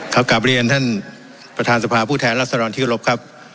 ครับกราบริเวณท่านประธานสภาพฤทธิ์และสรรค์ที่โรบครับ